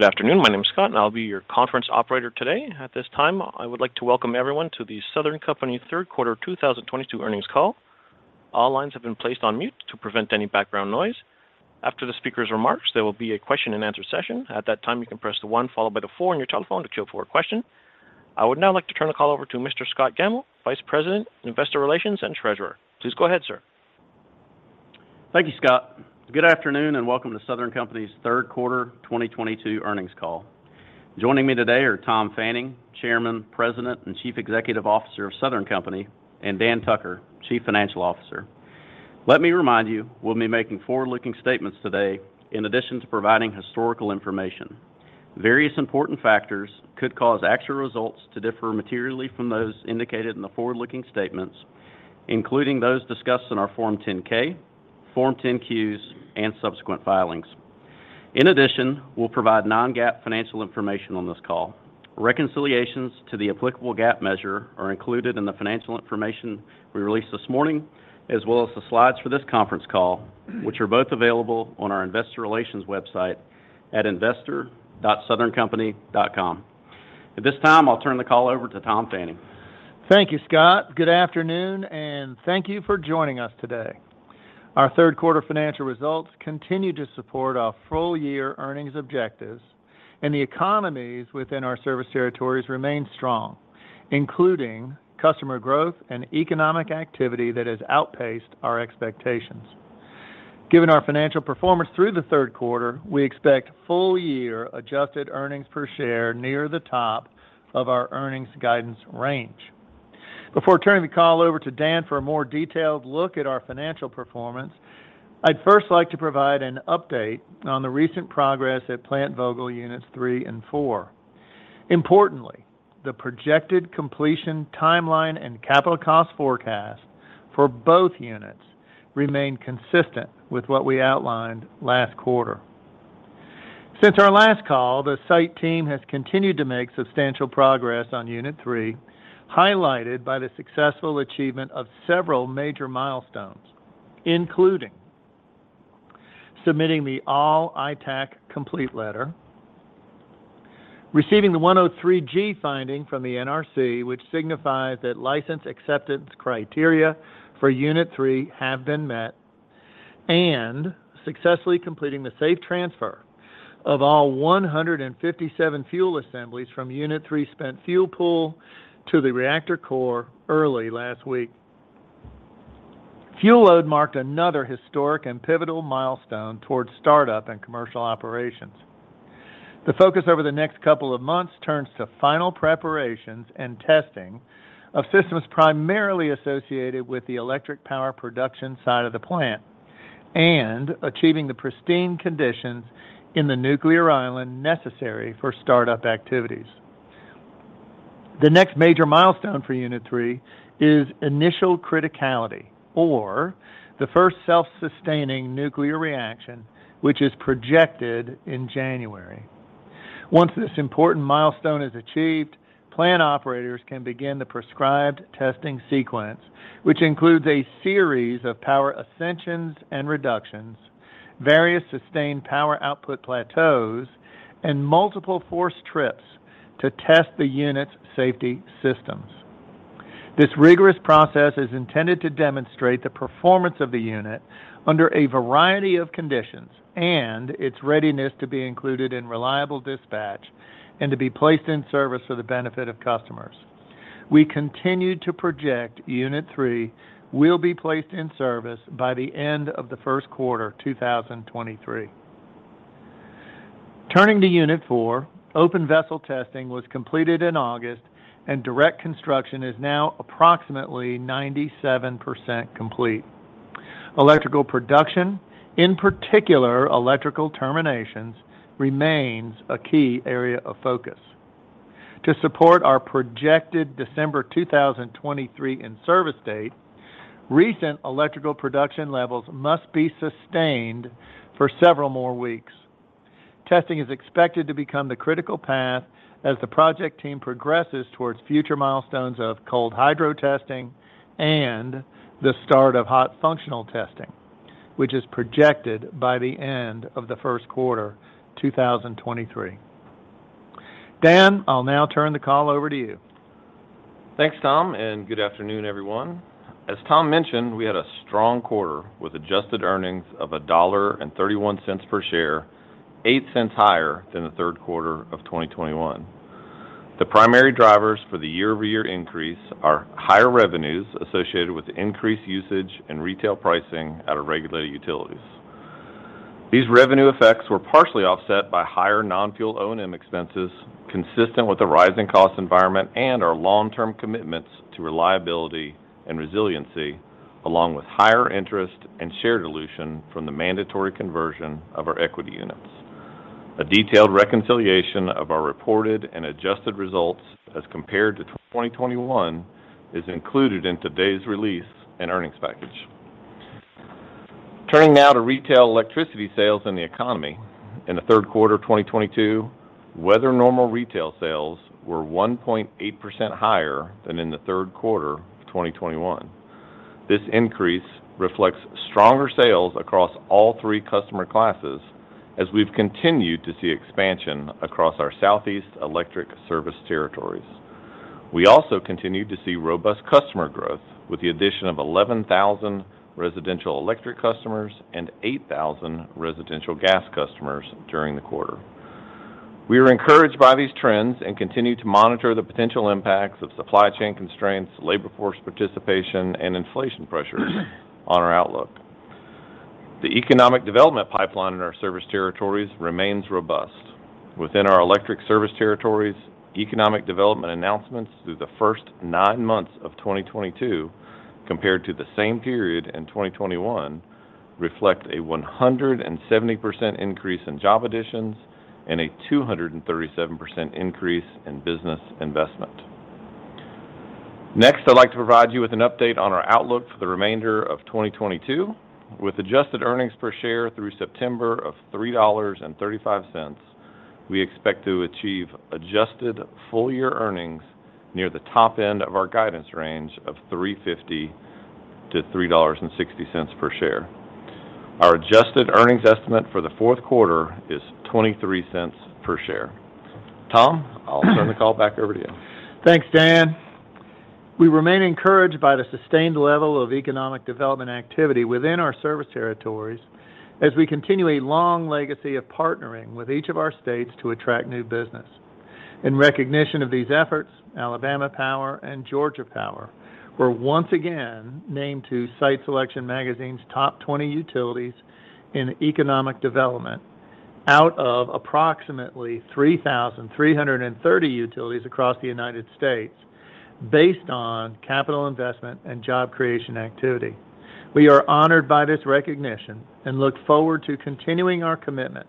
Good afternoon. My name is Scott, and I'll be your conference operator today. At this time, I would like to welcome everyone to the Southern Company Q3 2022 earnings call. All lines have been placed on mute to prevent any background noise. After the speaker's remarks, there will be a question-and-answer session. At that time, you can press one followed by the four on your telephone to queue for a question. I would now like to turn the call over to Mr. Scott Gammill, Vice President, Investor Relations and Treasurer. Please go ahead, sir. Thank you, Scott. Good afternoon, and welcome to Southern Company's Q3 2022 earnings call. Joining me today are Tom Fanning, Chairman, President, and Chief Executive Officer of Southern Company, and Dan Tucker, Chief Financial Officer. Let me remind you, we'll be making forward-looking statements today in addition to providing historical information. Various important factors could cause actual results to differ materially from those indicated in the forward-looking statements, including those discussed in our Form 10-K, Form 10-Qs, and subsequent filings. In addition, we'll provide non-GAAP financial information on this call. Reconciliations to the applicable GAAP measure are included in the financial information we released this morning, as well as the slides for this conference call, which are both available on our investor relations website at investor.southerncompany.com. At this time, I'll turn the call over to Tom Fanning. Thank you, Scott. Good afternoon, and thank you for joining us today. Our Q3 financial results continue to support our full year earnings objectives, and the economies within our service territories remain strong, including customer growth and economic activity that has outpaced our expectations. Given our financial performance through the Q3, we expect full year adjusted earnings per share near the top of our earnings guidance range. Before turning the call over to Dan for a more detailed look at our financial performance, I'd first like to provide an update on the recent progress at Plant Vogtle units three and four. Importantly, the projected completion timeline and capital cost forecast for both units remain consistent with what we outlined last quarter. Since our last call, the site team has continued to make substantial progress on Unit three, highlighted by the successful achievement of several major milestones, including submitting the all ITAC complete letter, receiving the 103(g) finding from the NRC, which signifies that license acceptance criteria for Unit three have been met, and successfully completing the safe transfer of all 157 fuel assemblies from Unit three spent fuel pool to the reactor core early last week. Fuel load marked another historic and pivotal milestone towards startup and commercial operations. The focus over the next couple of months turns to final preparations and testing of systems primarily associated with the electric power production side of the plant and achieving the pristine conditions in the nuclear island necessary for startup activities. The next major milestone for Unit three is initial criticality or the first self-sustaining nuclear reaction, which is projected in January. Once this important milestone is achieved, plant operators can begin the prescribed testing sequence, which includes a series of power ascensions and reductions, various sustained power output plateaus, and multiple forced trips to test the unit's safety systems. This rigorous process is intended to demonstrate the performance of the unit under a variety of conditions and its readiness to be included in reliable dispatch and to be placed in service for the benefit of customers. We continue to project Unit three will be placed in service by the end of the Q1 2023. Turning to Unit four, open vessel testing was completed in August, and direct construction is now approximately 97% complete. Electrical production, in particular electrical terminations, remains a key area of focus. To support our projected December 2023 in-service date, recent electrical production levels must be sustained for several more weeks. Testing is expected to become the critical path as the project team progresses towards future milestones of cold hydro testing and the start of hot functional testing, which is projected by the end of the Q1 2023. Dan, I'll now turn the call over to you. Thanks, Tom, and good afternoon, everyone. As Tom mentioned, we had a strong quarter with adjusted earnings of $1.31 per share, $0.8 higher than the Q3 of 2021. The primary drivers for the year-over-year increase are higher revenues associated with increased usage and retail pricing at our regulated utilities. These revenue effects were partially offset by higher non-fuel O&M expenses consistent with the rising cost environment and our long-term commitments to reliability and resiliency, along with higher interest and share dilution from the mandatory conversion of our equity units. A detailed reconciliation of our reported and adjusted results as compared to 2021 is included in today's release and earnings package. Turning now to retail electricity sales and the economy. In the Q3 of 2022, weather-normalized retail sales were 1.8% higher than in the Q3 of 2021. This increase reflects stronger sales across all three customer classes as we've continued to see expansion across our Southeast electric service territories. We also continued to see robust customer growth with the addition of 11,000 residential electric customers and 8,000 residential gas customers during the quarter. We are encouraged by these trends and continue to monitor the potential impacts of supply chain constraints, labor force participation, and inflation pressures on our outlook. The economic development pipeline in our service territories remains robust. Within our electric service territories, economic development announcements through the first nine months of 2022 compared to the same period in 2021 reflect a 170% increase in job additions and a 237% increase in business investment. Next, I'd like to provide you with an update on our outlook for the remainder of 2022. With adjusted earnings per share through September of $3.35, we expect to achieve adjusted full-year earnings near the top end of our guidance range of $3.50-$3.60 per share. Our adjusted earnings estimate for the Q4 is $0.23 per share. Tom, I'll turn the call back over to you. Thanks, Dan. We remain encouraged by the sustained level of economic development activity within our service territories as we continue a long legacy of partnering with each of our states to attract new business. In recognition of these efforts, Alabama Power and Georgia Power were once again named to Site Selection Magazine's Top 20 Utilities in Economic Development, out of approximately 3,330 utilities across the United States based on capital investment and job creation activity. We are honored by this recognition and look forward to continuing our commitment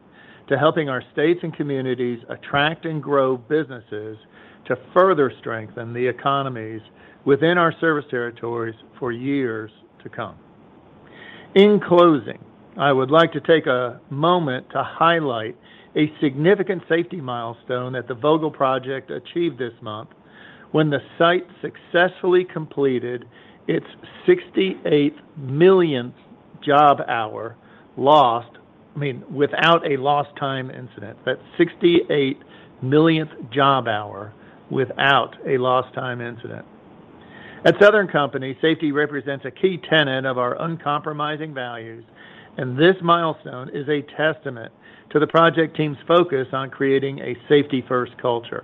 to helping our states and communities attract and grow businesses to further strengthen the economies within our service territories for years to come. In closing, I would like to take a moment to highlight a significant safety milestone that the Vogtle project achieved this month when the site successfully completed its 68 millionth job hour without a lost time incident. That's 68 millionth job hour without a lost time incident. At Southern Company, safety represents a key tenet of our uncompromising values, and this milestone is a testament to the project team's focus on creating a safety-first culture.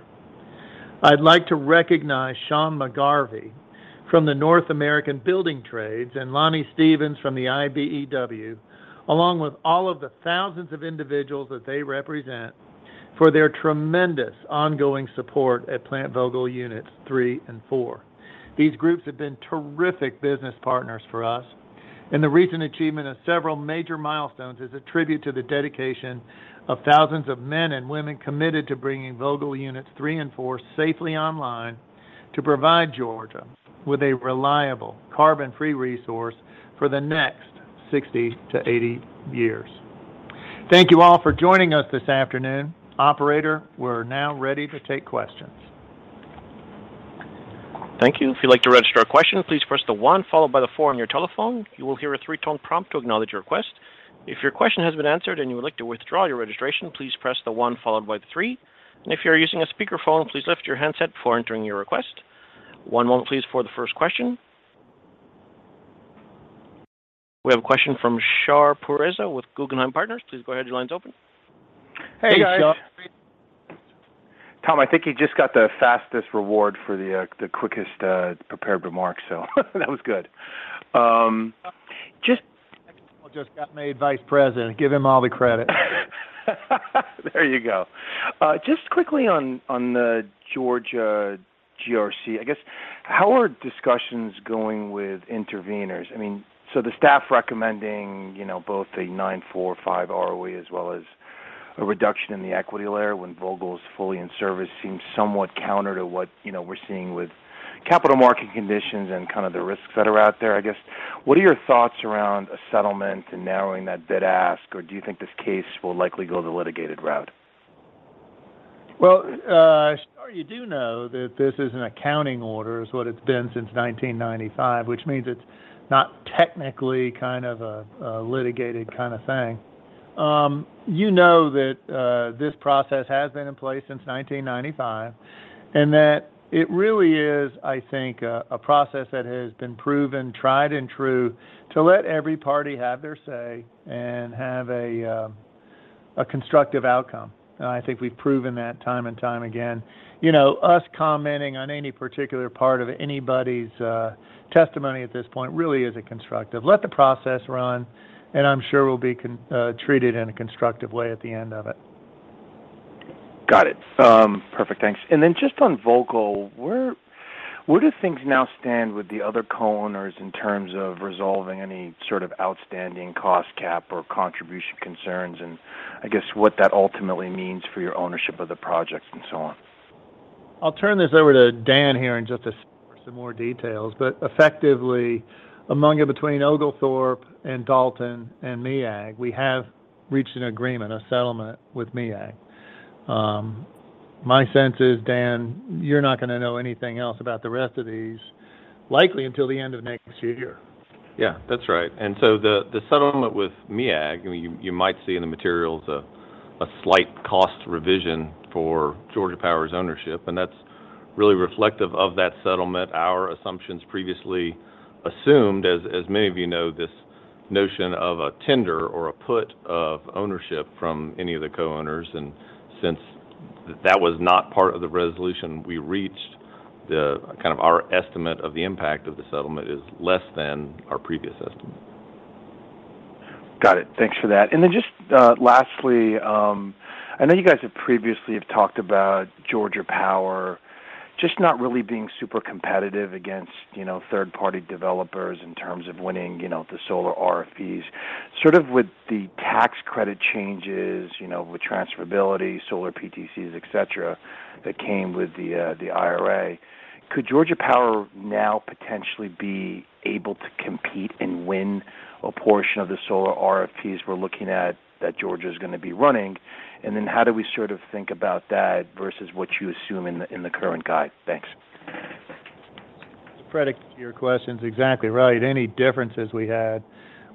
I'd like to recognize Sean McGarvey from the North American Building Trades and Lonnie Stephenson from the IBEW, along with all of the thousands of individuals that they represent for their tremendous ongoing support at Plant Vogtle Units three and four. These groups have been terrific business partners for us, and the recent achievement of several major milestones is a tribute to the dedication of thousands of men and women committed to bringing Vogtle Units three and four safely online to provide Georgia with a reliable carbon-free resource for the next 60-80 years. Thank you all for joining us this afternoon. Operator, we're now ready to take questions. Thank you. If you'd like to register a question, please press the one followed by the four on your telephone. You will hear a three-tone prompt to acknowledge your request. If your question has been answered and you would like to withdraw your registration, please press the one followed by the three, and if you're using a speakerphone, please lift your handset before entering your request. One moment, please, for the first question. We have a question from Shar Pourreza with Guggenheim Partners. Please go ahead. Your line's open. Hey, guys. Hey, Shar. Tom, I think you just got the fastest reward for the quickest prepared remarks, so that was good. I just got made vice president. Give him all the credit. There you go. Just quickly on the Georgia GRC, I guess, how are discussions going with interveners? I mean, the staff recommending, you know, both a 9.45 ROE as well as a reduction in the equity layer when Vogtle is fully in service seems somewhat counter to what, you know, we're seeing with capital market conditions and kind of the risks that are out there, I guess. What are your thoughts around a settlement and narrowing that bid-ask, or do you think this case will likely go the litigated route? Well, Shar, you do know that this is an accounting order, is what it's been since 1995, which means it's not technically kind of a litigated kind of thing. You know that this process has been in place since 1995, and that it really is, I think, a process that has been proven tried and true to let every party have their say and have a constructive outcome. I think we've proven that time and time again. You know, us commenting on any particular part of anybody's testimony at this point really isn't constructive. Let the process run, and I'm sure we'll be treated in a constructive way at the end of it. Got it. Perfect. Thanks. Just on Vogtle, where do things now stand with the other co-owners in terms of resolving any sort of outstanding cost cap or contribution concerns, and I guess what that ultimately means for your ownership of the project and so on? I'll turn this over to Dan here in just a for some more details. Effectively, among and between Oglethorpe and Dalton and MEAG, we have reached an agreement, a settlement with MEAG. My sense is, Dan, you're not gonna know anything else about the rest of these likely until the end of next year. Yeah, that's right. The settlement with MEAG, I mean, you might see in the materials a slight cost revision for Georgia Power's ownership, and that's really reflective of that settlement. Our assumptions previously assumed, as many of you know, this notion of a tender or a put of ownership from any of the co-owners. Since that was not part of the resolution we reached, the kind of our estimate of the impact of the settlement is less than our previous estimate. Got it. Thanks for that. Just lastly, I know you guys have previously talked about Georgia Power just not really being super competitive against, you know, third-party developers in terms of winning, you know, the solar RFPs, sort of with the tax credit changes, you know, with transferability, solar PTCs, et cetera, that came with the IRA. Could Georgia Power now potentially be able to compete and win a portion of the solar RFPs we're looking at that Georgia's gonna be running? How do we sort of think about that versus what you assume in the current guide? Thanks. Sporadic, your question's exactly right. Any differences we had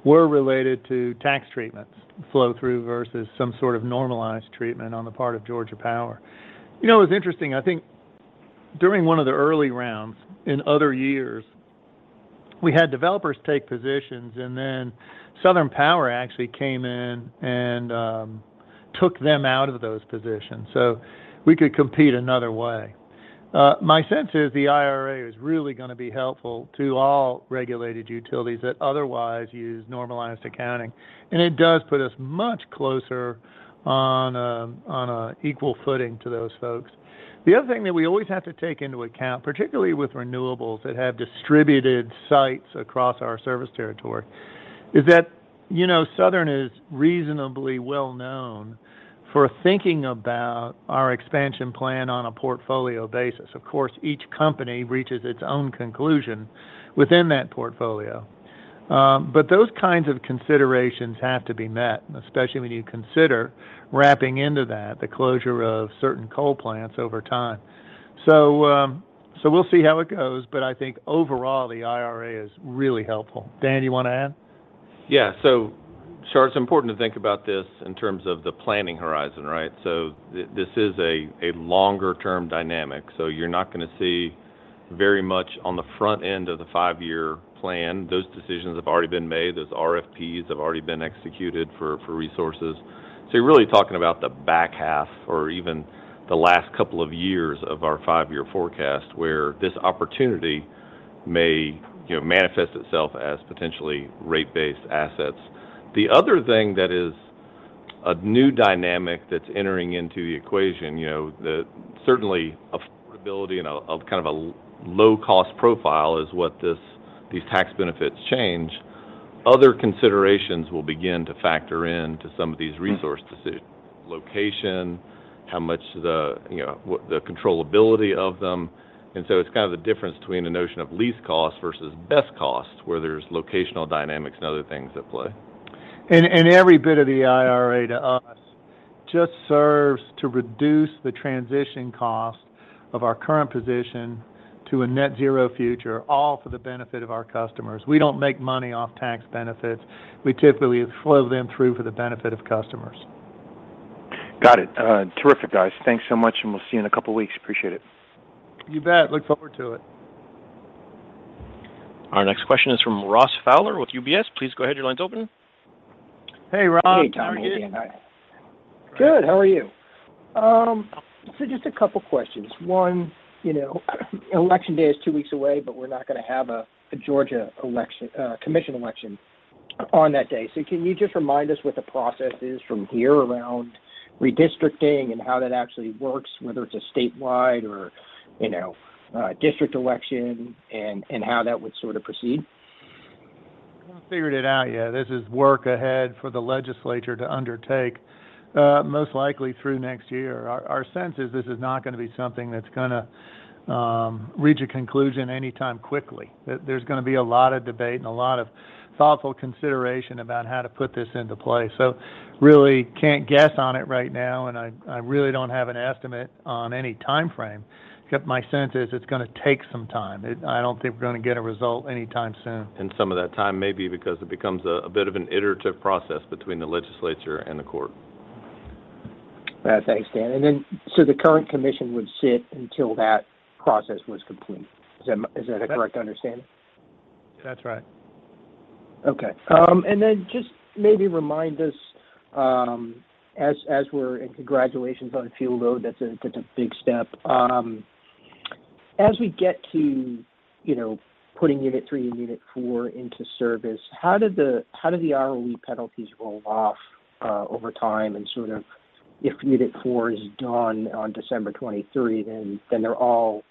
were related to tax treatments, flow-through versus some sort of normalized treatment on the part of Georgia Power. You know, it was interesting. I think during one of the early rounds in other years, we had developers take positions, and then Southern Power actually came in and took them out of those positions, so we could compete another way. My sense is the IRA is really gonna be helpful to all regulated utilities that otherwise use normalized accounting, and it does put us much closer on a equal footing to those folks. The other thing that we always have to take into account, particularly with renewables that have distributed sites across our service territory, is that, you know, Southern is reasonably well known for thinking about our expansion plan on a portfolio basis. Of course, each company reaches its own conclusion within that portfolio. Those kinds of considerations have to be met, and especially when you consider wrapping into that the closure of certain coal plants over time. We'll see how it goes, but I think overall the IRA is really helpful. Dan, you want to add? Yeah. It's important to think about this in terms of the planning horizon, right? This is a longer-term dynamic. You're not gonna see very much on the front end of the five-year plan. Those decisions have already been made. Those RFPs have already been executed for resources. You're really talking about the back half or even the last couple of years of our five-year forecast where this opportunity may, you know, manifest itself as potentially rate-based assets. The other thing that is a new dynamic that's entering into the equation, you know, that certainly affordability and a kind of low-cost profile is what these tax benefits change. Other considerations will begin to factor in to some of these resource decisions. Location, you know, what the controllability of them. It's kind of the difference between the notion of least cost versus best cost where there's locational dynamics and other things at play. Every bit of the IRA to us just serves to reduce the transition cost of our current position to a net zero future, all for the benefit of our customers. We don't make money off tax benefits. We typically flow them through for the benefit of customers. Got it. Terrific, guys. Thanks so much, and we'll see you in a couple weeks. Appreciate it. You bet. Look forward to it. Our next question is from Ross Fowler with UBS. Please go ahead. Your line's open. Hey, Ross. How are you? Hey, Tom. Hi. Good. How are you? Just a couple questions. One, you know, Election Day is two weeks away, but we're not gonna have a Georgia election commission election on that day. Can you just remind us what the process is from here around redistricting and how that actually works, whether it's a statewide or, you know, a district election and how that would sort of proceed? Haven't figured it out yet. This is work ahead for the legislature to undertake, most likely through next year. Our sense is this is not gonna be something that's gonna reach a conclusion anytime quickly. There's gonna be a lot of debate and a lot of thoughtful consideration about how to put this into play. Really can't guess on it right now, and I really don't have an estimate on any timeframe, except my sense is it's gonna take some time. I don't think we're gonna get a result anytime soon. Some of that time may be because it becomes a bit of an iterative process between the legislature and the court. Thanks, Dan. The current commission would sit until that process was complete. Is that a correct understanding? That's right. Okay. Then just maybe remind us, as we're in congratulations on fuel load, that's a big step. As we get to, you know, putting Unit three and Unit four into service, how did the ROE penalties roll off over time and sort of if Unit four is done on December 2023, then they're all,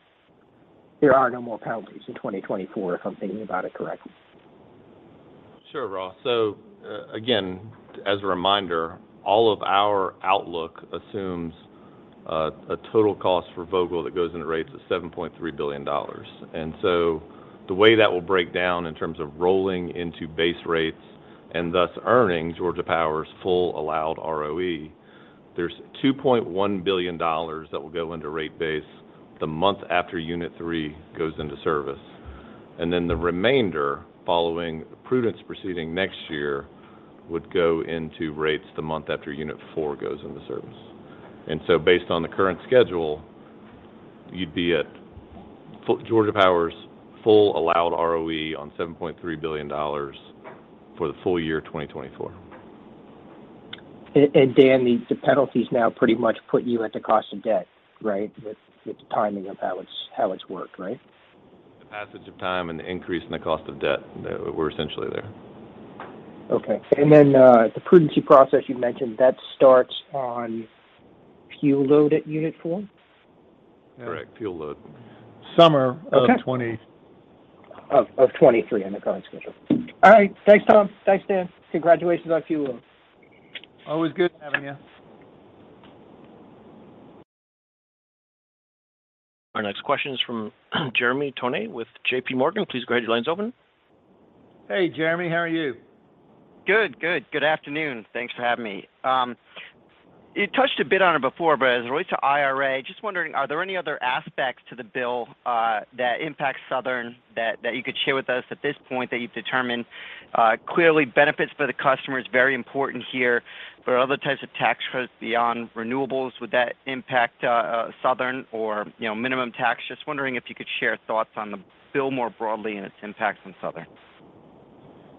there are no more penalties in 2024, if I'm thinking about it correctly. Sure, Ross. Again, as a reminder, all of our outlook assumes a total cost for Vogtle that goes into rates of $7.3 billion. The way that will break down in terms of rolling into base rates and thus earning Georgia Power's full allowed ROE, there's $2.1 billion that will go into rate base the month after Unit three goes into service. Then the remainder following prudence proceeding next year would go into rates the month after Unit four goes into service. Based on the current schedule, you'd be at Georgia Power's full allowed ROE on $7.3 billion for the full year 2024. Dan, the penalties now pretty much put you at the cost of debt, right? With the timing of how it's worked, right? The passage of time and the increase in the cost of debt, we're essentially there. Okay. The prudency process you mentioned, that starts on fuel load at Unit four? Correct. Fuel load. Summer of 20- Of 2023 on the current schedule. All right. Thanks Tom. Thanks Dan. Congratulations on fuel load. Always good having you. Our next question is from Jeremy Tonet with JPMorgan. Please go ahead, your line's open. Hey Jeremy, how are you? Good afternoon. Thanks for having me. You touched a bit on it before, but as it relates to IRA, just wondering, are there any other aspects to the bill that impact Southern that you could share with us at this point that you've determined, clearly benefits for the customer is very important here. Are there other types of tax credits beyond renewables, would that impact Southern or, you know, minimum tax? Just wondering if you could share thoughts on the bill more broadly and its impacts on Southern.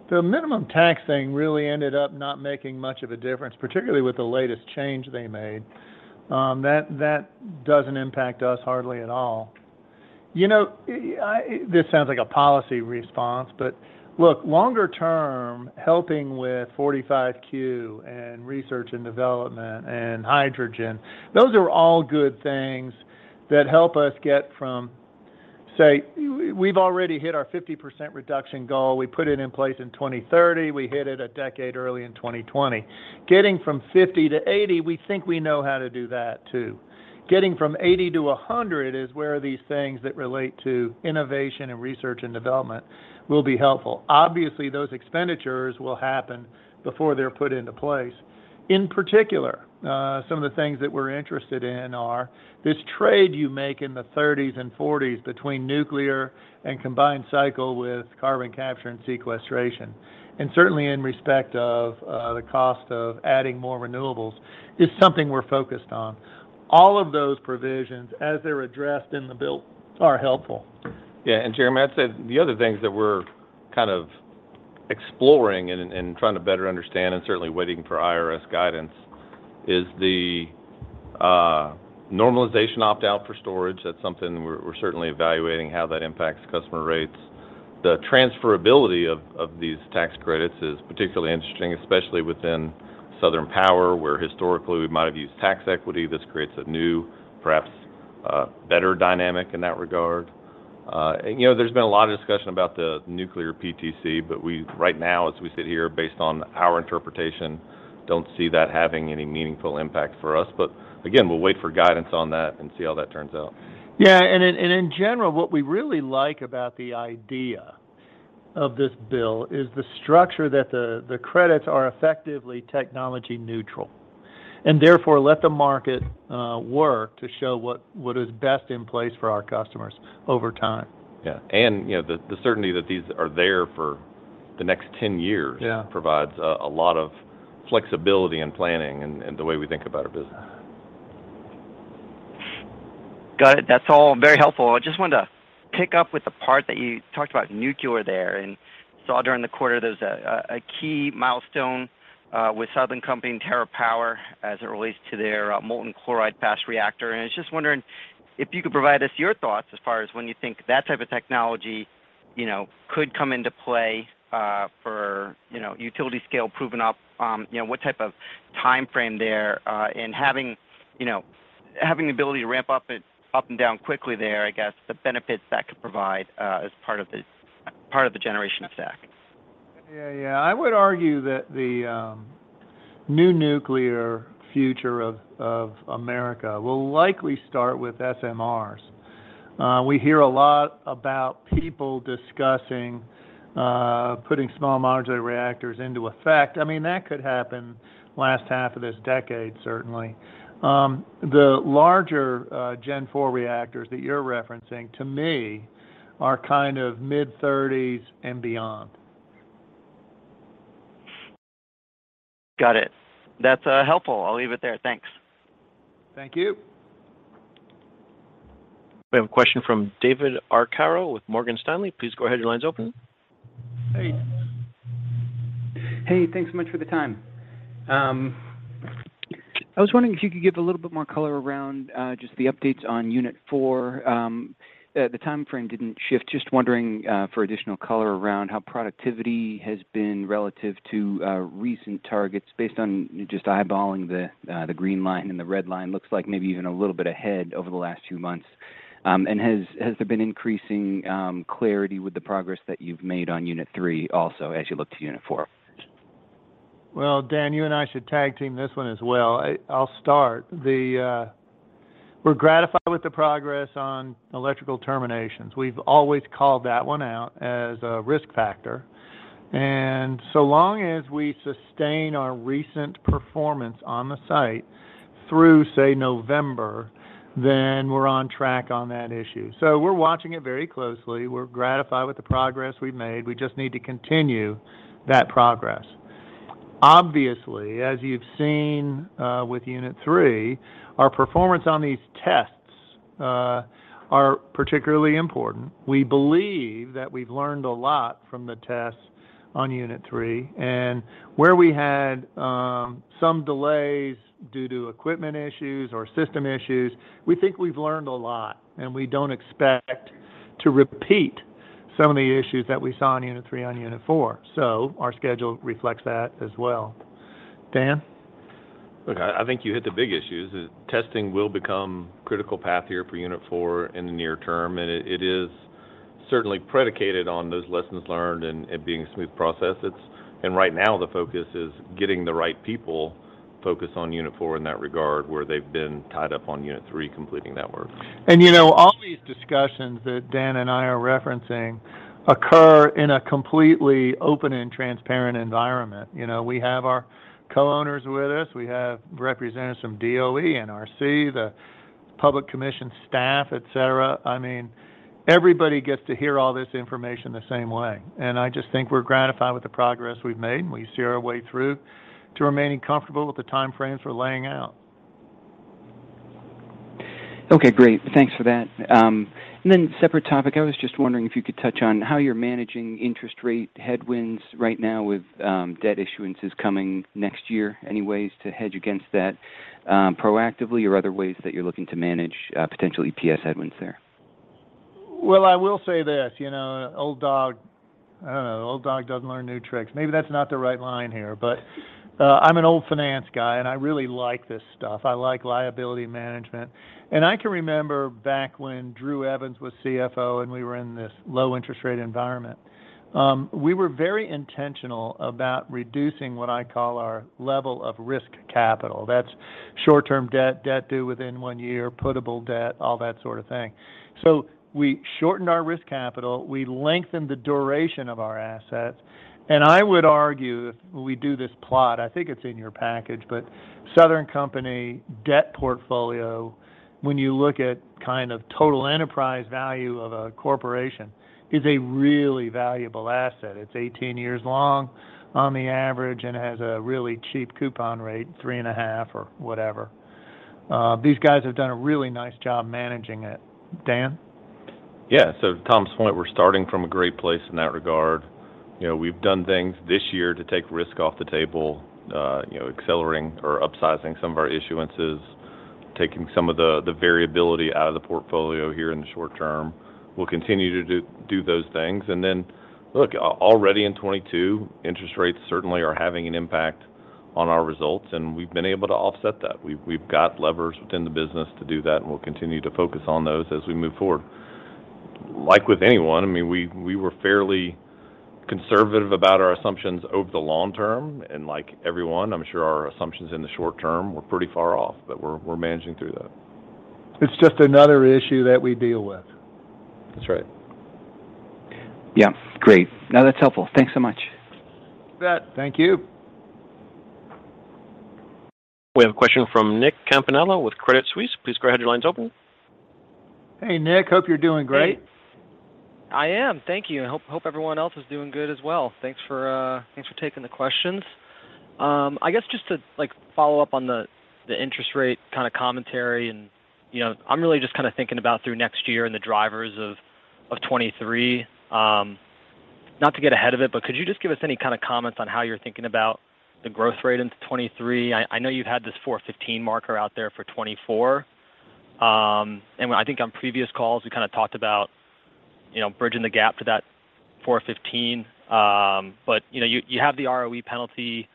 The minimum tax thing really ended up not making much of a difference, particularly with the latest change they made. That doesn't impact us hardly at all. You know, this sounds like a policy response, but look, longer term, helping with 45Q and research and development and hydrogen, those are all good things that help us get from, say, we've already hit our 50% reduction goal. We put it in place in 2030. We hit it a decade early in 2020. Getting from 50%-80%, we think we know how to do that too. Getting from 80%-100% is where these things that relate to innovation and research and development will be helpful. Obviously, those expenditures will happen before they're put into place. In particular, some of the things that we're interested in are this trade you make in the 30s and 40s between nuclear and combined cycle with carbon capture and sequestration, and certainly in respect of the cost of adding more renewables is something we're focused on. All of those provisions, as they're addressed in the bill, are helpful. Yeah. Jeremy, I'd say the other things that we're kind of exploring and trying to better understand and certainly waiting for IRS guidance is the normalization opt out for storage. That's something we're certainly evaluating how that impacts customer rates. The transferability of these tax credits is particularly interesting, especially within Southern Power, where historically we might have used tax equity. This creates a new, perhaps, better dynamic in that regard. You know, there's been a lot of discussion about the nuclear PTC, but we right now, as we sit here, based on our interpretation, don't see that having any meaningful impact for us. Again, we'll wait for guidance on that and see how that turns out. Yeah. In general, what we really like about the idea of this bill is the structure that the credits are effectively technology neutral, and therefore let the market work to show what is best in place for our customers over time. Yeah. You know, the certainty that these are there for the next 10 years. Yeah provides a lot of flexibility in planning and the way we think about our business. Got it. That's all very helpful. I just wanted to pick up with the part that you talked about nuclear there and saw during the quarter there's a key milestone with Southern Company and TerraPower as it relates to their molten chloride fast reactor. I was just wondering if you could provide us your thoughts as far as when you think that type of technology, you know, could come into play for, you know, utility scale proven up, you know, what type of timeframe there in having the ability to ramp up and down quickly there, I guess, the benefits that could provide as part of this, part of the generation stack. I would argue that the new nuclear future of America will likely start with SMRs. We hear a lot about people discussing putting small modular reactors into effect. I mean, that could happen last half of this decade, certainly. The larger Gen IV reactors that you're referencing to me are kind of mid-thirties and beyond. Got it. That's helpful. I'll leave it there. Thanks. Thank you. We have a question from David Arcaro with Morgan Stanley. Please go ahead. Your line's open. Hey. Hey. Thanks so much for the time. I was wondering if you could give a little bit more color around just the updates on Unit four. The timeframe didn't shift. Just wondering for additional color around how productivity has been relative to recent targets based on just eyeballing the green line and the red line. Looks like maybe even a little bit ahead over the last few months. Has there been increasing clarity with the progress that you've made on Unit three also as you look to Unit four? Well, Dan, you and I should tag team this one as well. I'll start. We're gratified with the progress on electrical terminations. We've always called that one out as a risk factor. Long as we sustain our recent performance on the site through, say, November, then we're on track on that issue. We're watching it very closely. We're gratified with the progress we've made. We just need to continue that progress. Obviously, as you've seen, with Unit three, our performance on these tests are particularly important. We believe that we've learned a lot from the tests on Unit three and where we had some delays due to equipment issues or system issues, we think we've learned a lot, and we don't expect to repeat some of the issues that we saw on Unit three on Unit four. Our schedule reflects that as well. Dan? Look, I think you hit the big issues. Testing will become critical path here for Unit four in the near term, and it is certainly predicated on those lessons learned and being a smooth process. Right now, the focus is getting the right people focused on Unit four in that regard, where they've been tied up on Unit three completing that work. You know, all these discussions that Dan and I are referencing occur in a completely open and transparent environment. You know, we have our co-owners with us. We have representatives from DOE, NRC, the public commission staff, et cetera. I mean, everybody gets to hear all this information the same way. I just think we're gratified with the progress we've made, and we see our way through to remaining comfortable with the time frames we're laying out. Okay. Great. Thanks for that. Separate topic, I was just wondering if you could touch on how you're managing interest rate headwinds right now with, debt issuances coming next year. Any ways to hedge against that, proactively, or other ways that you're looking to manage, potential EPS headwinds there? Well, I will say this: You know, an old dog doesn't learn new tricks. Maybe that's not the right line here. I'm an old finance guy, and I really like this stuff. I like liability management. I can remember back when Drew Evans was CFO and we were in this low interest rate environment, we were very intentional about reducing what I call our level of risk capital. That's short-term debt due within one year, putable debt, all that sort of thing. We shortened our risk capital. We lengthened the duration of our assets. I would argue, if we do this plot, I think it's in your package, but Southern Company debt portfolio, when you look at kind of total enterprise value of a corporation, is a really valuable asset. It's 18 years long on average and has a really cheap coupon rate, 3.5% or whatever. These guys have done a really nice job managing it. Dan? Yeah. To Tom's point, we're starting from a great place in that regard. You know, we've done things this year to take risk off the table, you know, accelerating or upsizing some of our issuances, taking some of the variability out of the portfolio here in the short term. We'll continue to do those things. Look, already in 2022, interest rates certainly are having an impact on our results, and we've been able to offset that. We've got levers within the business to do that, and we'll continue to focus on those as we move forward. Like with anyone, I mean, we were fairly conservative about our assumptions over the long term. Like everyone, I'm sure our assumptions in the short term were pretty far off, but we're managing through that. It's just another issue that we deal with. That's right. Yeah. Great. No, that's helpful. Thanks so much. You bet. Thank you. We have a question from Nicholas Campanella with Credit Suisse. Please go ahead. Your line's open. Hey, Nick. Hope you're doing great. Hey. I am. Thank you, and hope everyone else is doing good as well. Thanks for taking the questions. I guess just to, like, follow up on the interest rate kind of commentary and, you know, I'm really just kind of thinking about through next year and the drivers of 2023. Not to get ahead of it, but could you just give us any kind of comments on how you're thinking about the growth rate into 2023? I know you've had this 4.15 marker out there for 2024. I think on previous calls, we kind of talked about, you know, bridging the gap to that 4.15. You have the ROE penalty,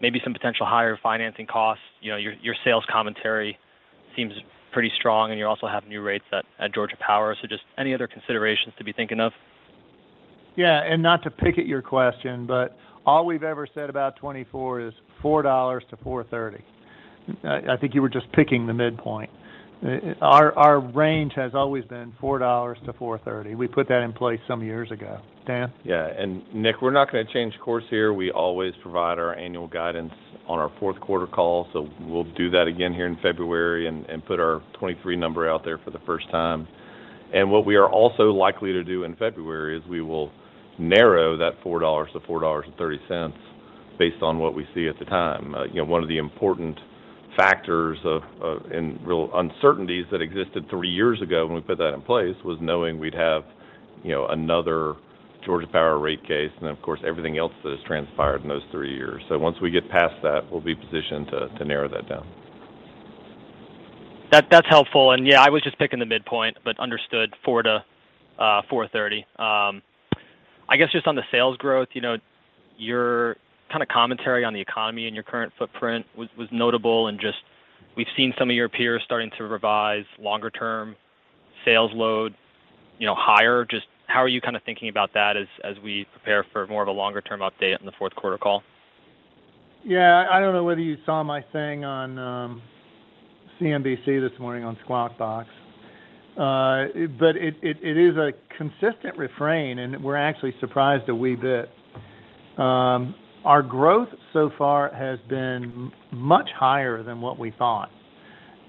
maybe some potential higher financing costs. You know, your sales commentary seems pretty strong, and you also have new rates at Georgia Power. Just any other considerations to be thinking of? Yeah. Not to pick at your question, but all we've ever said about 2024 is $4-$4.30. I think you were just picking the midpoint. Our range has always been $4-$4.30. We put that in place some years ago. Dan? Yeah. Nick, we're not gonna change course here. We always provide our annual guidance on our Q4 call, so we'll do that again here in February and put our 2023 number out there for the first time. What we are also likely to do in February is we will narrow that $4-$4.30 based on what we see at the time. You know, one of the important factors and real uncertainties that existed three years ago when we put that in place was knowing we'd have, you know, another Georgia Power rate case and of course, everything else that has transpired in those three years. Once we get past that, we'll be positioned to narrow that down. That's helpful. Yeah, I was just picking the midpoint, but understood, $4-$4.30. I guess just on the sales growth, you know, your kind of commentary on the economy and your current footprint was notable, and just we've seen some of your peers starting to revise longer term sales load, you know, higher. Just how are you kind of thinking about that as we prepare for more of a longer term update on the Q4 call? Yeah, I don't know whether you saw my thing on CNBC this morning on Squawk Box. It is a consistent refrain, and we're actually surprised a wee bit. Our growth so far has been much higher than what we thought,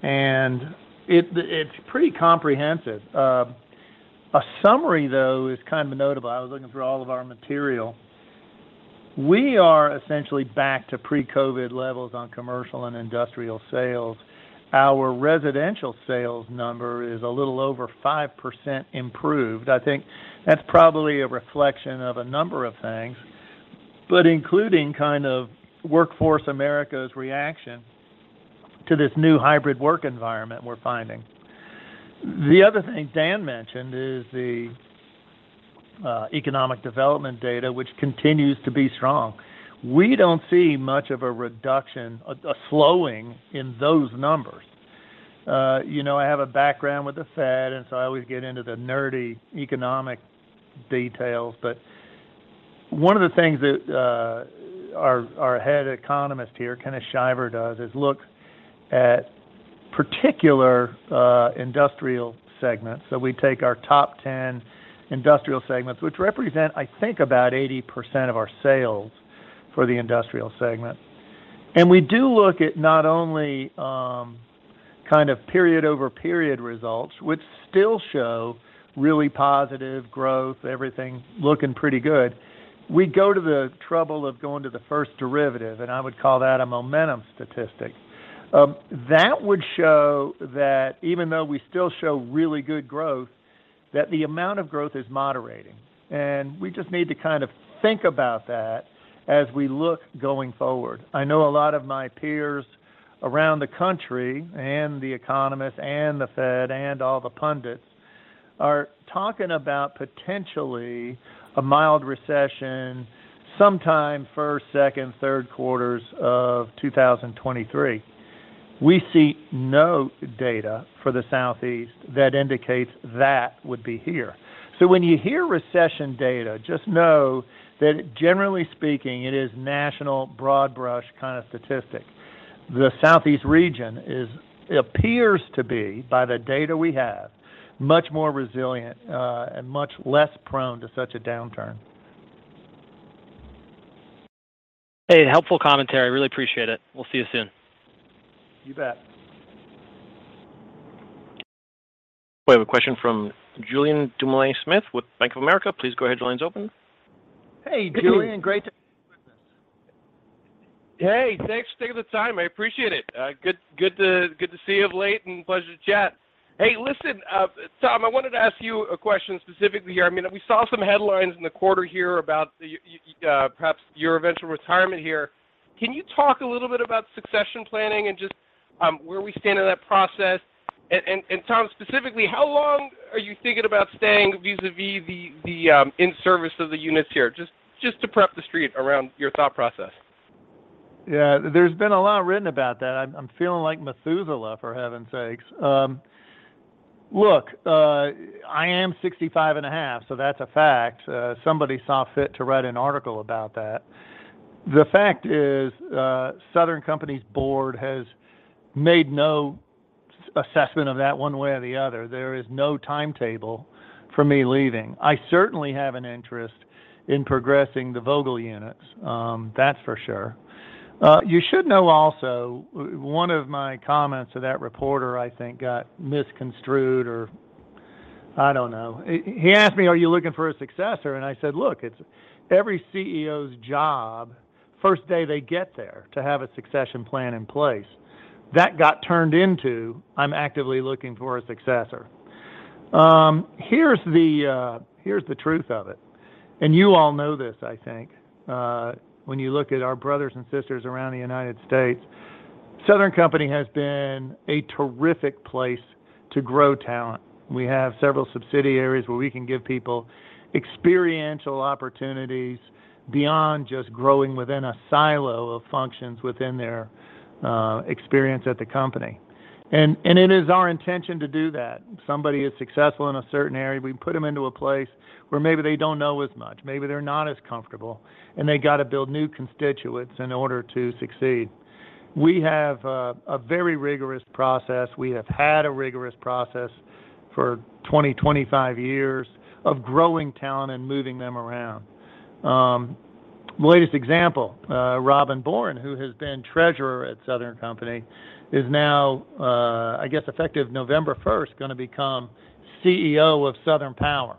and it's pretty comprehensive. A summary, though, is kind of notable. I was looking through all of our material. We are essentially back to pre-COVID levels on commercial and industrial sales. Our residential sales number is a little over 5% improved. I think that's probably a reflection of a number of things, but including kind of Workforce America's reaction to this new hybrid work environment we're finding. The other thing Dan mentioned is the economic development data, which continues to be strong. We don't see much of a reduction, a slowing in those numbers. You know, I have a background with the Fed, and so I always get into the nerdy economic details. One of the things that our head economist here, Kenneth Shiver, does is look at particular industrial segments. We take our top 10 industrial segments, which represent, I think, about 80% of our sales for the industrial segment. We do look at not only kind of period-over-period results, which still show really positive growth, everything looking pretty good. We go to the trouble of going to the first derivative, and I would call that a momentum statistic. That would show that even though we still show really good growth, that the amount of growth is moderating. We just need to kind of think about that as we look going forward. I know a lot of my peers around the country and the economists and the Fed and all the pundits are talking about potentially a mild recession sometime Q1, Q2, Q3 of 2023. We see no data for the Southeast that indicates that would be here. When you hear recession data, just know that generally speaking, it is national broad-brush kind of statistic. The Southeast region appears to be, by the data we have, much more resilient and much less prone to such a downturn. Hey, helpful commentary. Really appreciate it. We'll see you soon. You bet. We have a question from Julien Dumoulin-Smith with Bank of America. Please go ahead. Your line's open. Hey, Julien. Great to. Hey, thanks for taking the time. I appreciate it. Good to see you, Blate, and pleasure to chat. Hey, listen, Tom, I wanted to ask you a question specifically here. I mean, we saw some headlines in the quarter here about you perhaps your eventual retirement here. Can you talk a little bit about succession planning and just where we stand in that process? Tom, specifically, how long are you thinking about staying vis-à-vis the in service of the units here? Just to prep the street around your thought process. Yeah, there's been a lot written about that. I'm feeling like Methuselah, for heaven's sakes. Look, I am 65 and a half, so that's a fact. Somebody saw fit to write an article about that. The fact is, Southern Company's board has made no assessment of that one way or the other. There is no timetable for me leaving. I certainly have an interest in progressing the Vogtle units, that's for sure. You should know also, one of my comments to that reporter I think got misconstrued or I don't know. He asked me, "Are you looking for a successor?" And I said, "Look, it's every CEO's job, first day they get there, to have a succession plan in place." That got turned into, "I'm actively looking for a successor." Here's the truth of it. You all know this, I think, when you look at our brothers and sisters around the United States, Southern Company has been a terrific place to grow talent. We have several subsidiaries where we can give people experiential opportunities beyond just growing within a silo of functions within their experience at the company. It is our intention to do that. Somebody is successful in a certain area, we put them into a place where maybe they don't know as much, maybe they're not as comfortable, and they got to build new constituents in order to succeed. We have a very rigorous process. We have had a rigorous process for 25 years of growing talent and moving them around. Latest example, Robin Boren, who has been treasurer at Southern Company, is now, I guess effective November 1st, going to become CEO of Southern Power.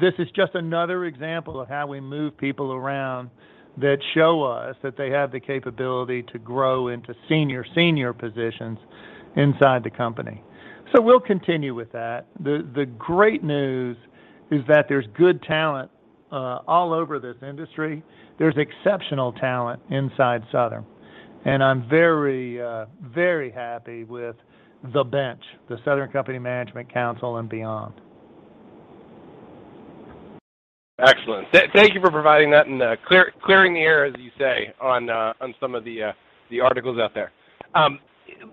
This is just another example of how we move people around that show us that they have the capability to grow into senior positions inside the company. We'll continue with that. The great news is that there's good talent all over this industry. There's exceptional talent inside Southern, and I'm very happy with the bench, the Southern Company Management Council and beyond. Excellent. Thank you for providing that and, clearing the air, as you say, on some of the articles out there.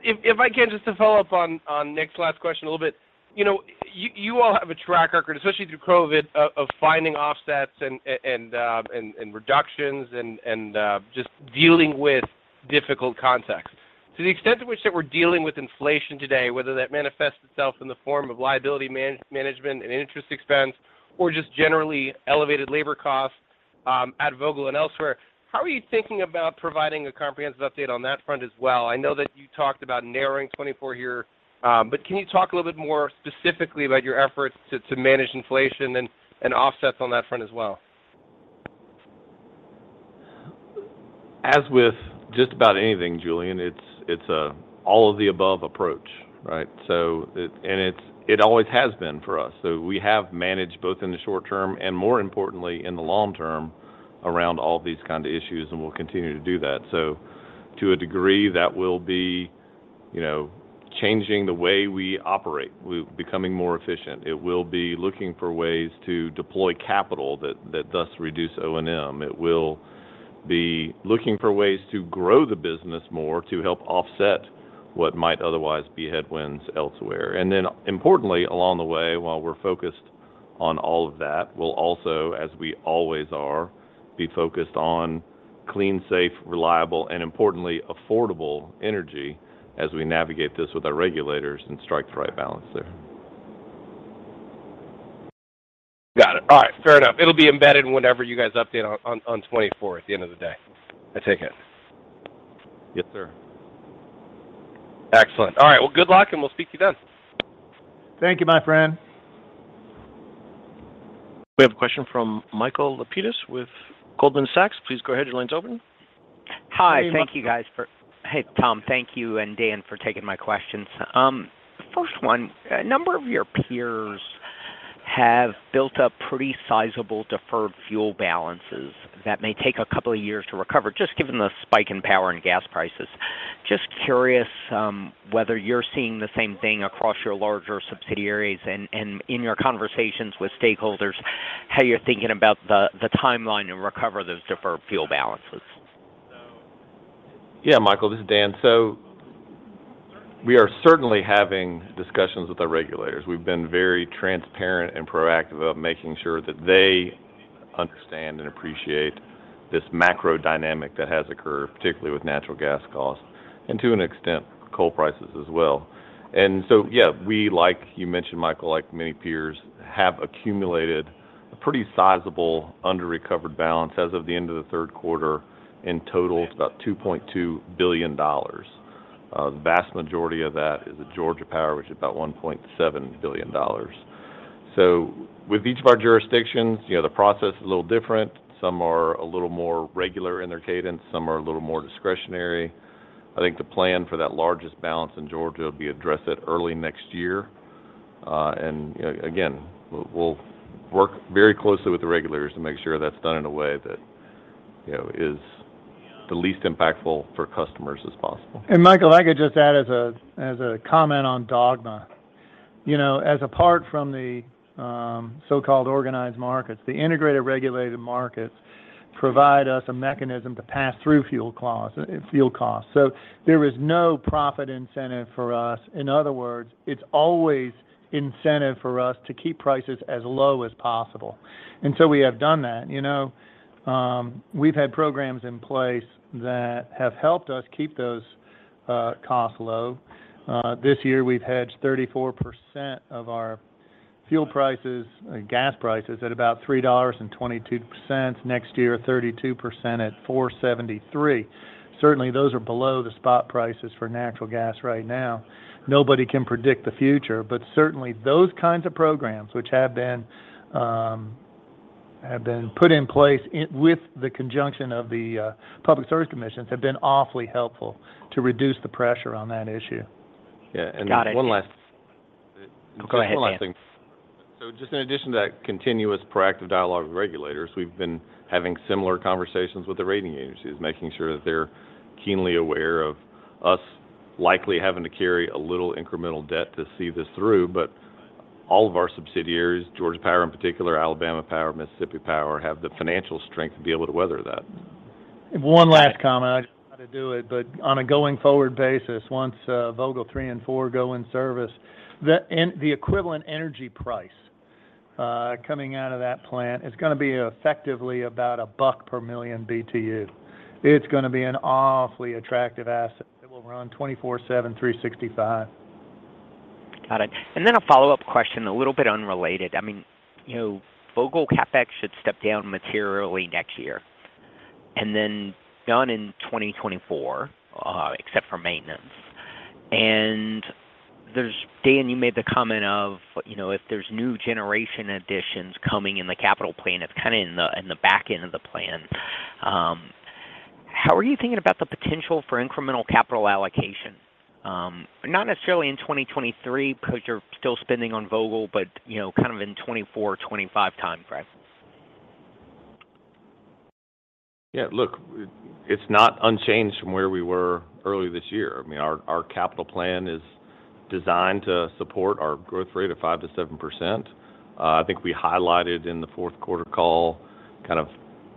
If I can just follow up on Nick's last question a little bit. You know, you all have a track record, especially through COVID, of finding offsets and reductions and just dealing with difficult context. To the extent to which that we're dealing with inflation today, whether that manifests itself in the form of liability management and interest expense, or just generally elevated labor costs, at Vogtle and elsewhere, how are you thinking about providing a comprehensive update on that front as well? I know that you talked about narrowing 2024 here, but can you talk a little bit more specifically about your efforts to manage inflation and offsets on that front as well? As with just about anything, Julien, it's a all-of-the-above approach, right? It's always been for us. We have managed both in the short term and, more importantly, in the long term around all these kind of issues, and we'll continue to do that. To a degree, that will be, you know, changing the way we operate. We're becoming more efficient. It will be looking for ways to deploy capital that thus reduce O&M. It will be looking for ways to grow the business more to help offset what might otherwise be headwinds elsewhere. Then importantly, along the way, while we're focused on all of that, we'll also, as we always are, be focused on clean, safe, reliable, and importantly, affordable energy as we navigate this with our regulators and strike the right balance there. Got it. All right. Fair enough. It'll be embedded whenever you guys update on 2024 at the end of the day, I take it. Yes, sir. Excellent. All right. Well, good luck, and we'll speak to you then. Thank you, my friend. We have a question from Michael Lapides with Goldman Sachs. Please go ahead. Your line's open. Hi. Thank you guys for- Good morning, Michael. Hey, Tom. Thank you and Dan for taking my questions. First one, a number of your peers have built up pretty sizable deferred fuel balances that may take a couple of years to recover, just given the spike in power and gas prices. Just curious, whether you're seeing the same thing across your larger subsidiaries and in your conversations with stakeholders, how you're thinking about the timeline to recover those deferred fuel balances. Yeah, Michael, this is Dan. We are certainly having discussions with our regulators. We've been very transparent and proactive about making sure that they understand and appreciate this macro dynamic that has occurred, particularly with natural gas costs and to an extent, coal prices as well. Yeah, we, like you mentioned, Mike, like many peers, have accumulated a pretty sizable under-recovered balance as of the end of the Q3. In total, it's about $2.2 billion. The vast majority of that is at Georgia Power, which is about $1.7 billion. With each of our jurisdictions, you know, the process is a little different. Some are a little more regular in their cadence, some are a little more discretionary. I think the plan for that largest balance in Georgia will be addressed at early next year. We'll work very closely with the regulators to make sure that's done in a way that, you know, is the least impactful for customers as possible. Michael, I could just add as a comment on Vogtle. You know, apart from the so-called organized markets, the integrated regulated markets provide us a mechanism to pass through fuel costs. There is no profit incentive for us. In other words, it's always incentive for us to keep prices as low as possible. We have done that. You know, we've had programs in place that have helped us keep those costs low. This year we've hedged 34% of our fuel prices, gas prices at about $3.22. Next year, 32% at $4.73. Certainly, those are below the spot prices for natural gas right now. Nobody can predict the future. Certainly, those kinds of programs which have been put in place with the conjunction of the Public Service Commissions have been awfully helpful to reduce the pressure on that issue. Yeah. Got it. And one last- Go ahead, Dan. One last thing. Just in addition to that continuous proactive dialogue with regulators, we've been having similar conversations with the rating agencies, making sure that they're keenly aware of us likely having to carry a little incremental debt to see this through. All of our subsidiaries, Georgia Power in particular, Alabama Power, Mississippi Power, have the financial strength to be able to weather that. One last comment. I try to do it, but on a going forward basis, once Vogtle 3 and 4 go in service, the equivalent energy price coming out of that plant is gonna be effectively about $1 per million BTU. It's gonna be an awfully attractive asset. It will run 24/7, 365. Got it. Then a follow-up question, a little bit unrelated. I mean, you know, Vogtle CapEx should step down materially next year and then done in 2024, except for maintenance. There's Dan, you made the comment of, you know, if there's new generation additions coming in the capital plan, it's kind of in the back end of the plan. How are you thinking about the potential for incremental capital allocation? Not necessarily in 2023 because you're still spending on Vogtle, but you know, kind of in 2024, 2025 time frames. Yeah. Look, it's not unchanged from where we were early this year. I mean, our capital plan is designed to support our growth rate of 5%-7%. I think we highlighted in the Q4 call kind of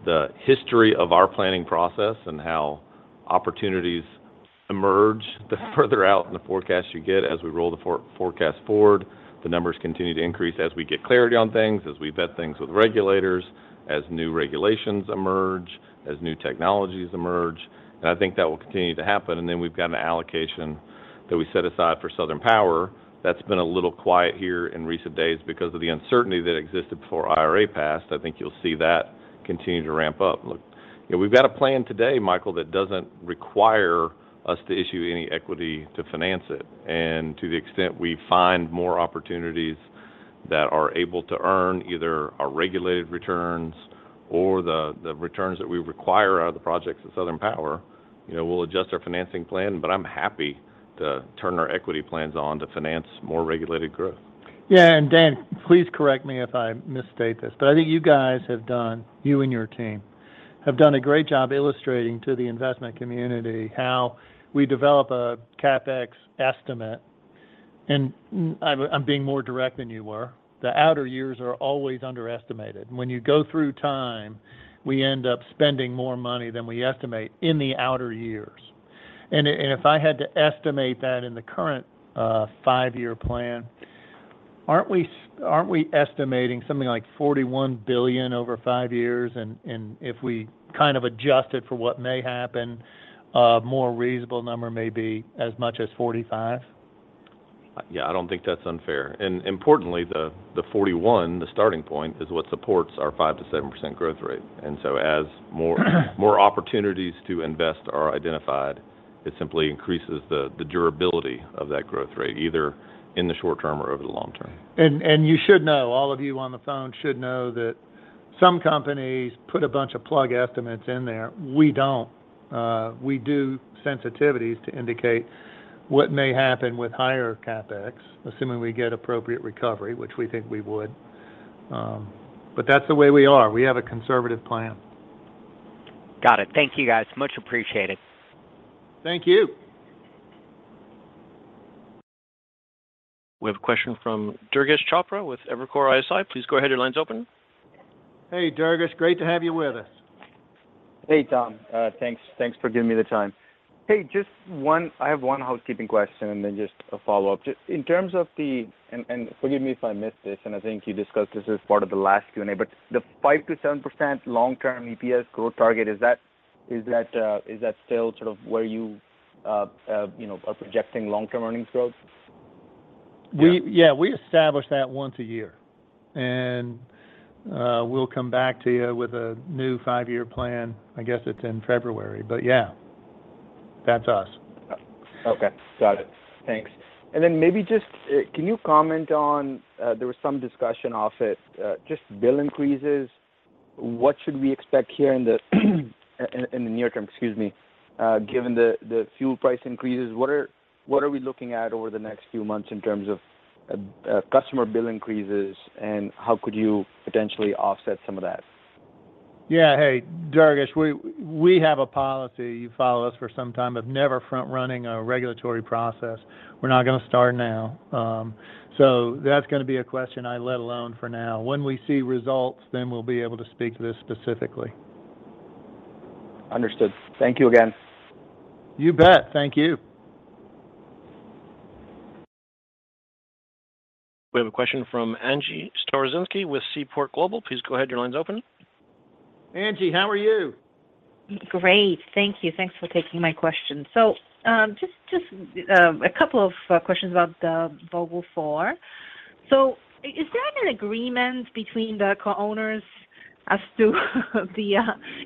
the history of our planning process and how opportunities emerge the further out in the forecast you get. As we roll the forecast forward, the numbers continue to increase as we get clarity on things, as we vet things with regulators, as new regulations emerge, as new technologies emerge, and I think that will continue to happen. We've got an allocation that we set aside for Southern Power that's been a little quiet here in recent days because of the uncertainty that existed before IRA passed. I think you'll see that continue to ramp up. Look, you know, we've got a plan today, Michael, that doesn't require us to issue any equity to finance it. To the extent we find more opportunities that are able to earn either our regulated returns or the returns that we require out of the projects at Southern Power, you know, we'll adjust our financing plan, but I'm happy to turn our equity plans on to finance more regulated growth. Yeah. Dan, please correct me if I misstate this, but I think you guys have done, you and your team have done a great job illustrating to the investment community how we develop a CapEx estimate. I'm being more direct than you were. The outer years are always underestimated. When you go through time, we end up spending more money than we estimate in the outer years. If I had to estimate that in the current five-year plan, aren't we estimating something like $41 billion over five years? If we kind of adjust it for what may happen, a more reasonable number may be as much as $45 billion? Yeah, I don't think that's unfair. Importantly, the 41, the starting point, is what supports our 5%-7% growth rate. As more opportunities to invest are identified, it simply increases the durability of that growth rate, either in the short term or over the long term. You should know, all of you on the phone should know that some companies put a bunch of plug estimates in there. We don't. We do sensitivities to indicate what may happen with higher CapEx, assuming we get appropriate recovery, which we think we would. That's the way we are. We have a conservative plan. Got it. Thank you, guys. Much appreciated. Thank you. We have a question from Durgesh Chopra with Evercore ISI. Please go ahead. Your line's open. Hey, Durgesh. Great to have you with us. Hey, Tom. Thanks. Thanks for giving me the time. Hey, just one, I have one housekeeping question and then just a follow-up. Just in terms of the 5%-7% long-term EPS growth target, forgive me if I missed this, and I think you discussed this as part of the last Q&A, but is that still sort of where you know, are projecting long-term earnings growth? Yeah, we establish that once a year. We'll come back to you with a new five-year plan, I guess it's in February. Yeah, that's us. Okay. Got it. Thanks. Then maybe just, can you comment on, there was some discussion about it, just bill increases. What should we expect here in the near term, excuse me, given the fuel price increases? What are we looking at over the next few months in terms of customer bill increases, and how could you potentially offset some of that? Hey, Durgesh, we have a policy, you follow us for some time, of never front running a regulatory process. We're not gonna start now. So that's gonna be a question I'll leave alone for now. When we see results, then we'll be able to speak to this specifically. Understood. Thank you again. You bet. Thank you. We have a question from Angie Storozynski with Seaport Global. Please go ahead. Your line's open. Angie, how are you? Great. Thank you. Thanks for taking my question. Just a couple of questions about the Vogtle four. Is there an agreement between the co-owners as to the